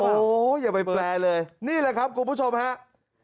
โอ้โหอย่าไปแปลเลยนี่แหละครับคุณผู้ชมครับ